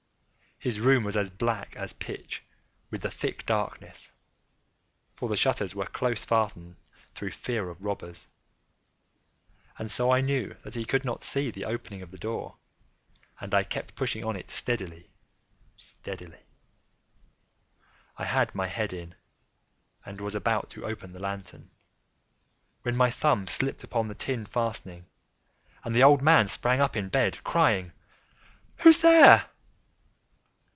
His room was as black as pitch with the thick darkness, (for the shutters were close fastened, through fear of robbers,) and so I knew that he could not see the opening of the door, and I kept pushing it on steadily, steadily. I had my head in, and was about to open the lantern, when my thumb slipped upon the tin fastening, and the old man sprang up in bed, crying out—"Who's there?"